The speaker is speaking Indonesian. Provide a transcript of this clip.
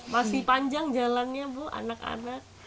masih panjang jalannya bu anak anak